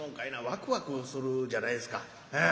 ワクワクするじゃないですか。